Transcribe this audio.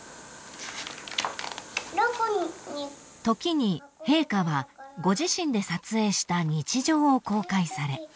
［時に陛下はご自身で撮影した日常を公開され］